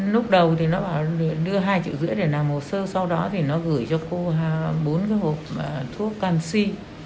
lúc đầu thì nó bảo đưa hai triệu rưỡi để làm hồ sơ sau đó thì nó gửi cho cô bốn cái hộp thuốc canxi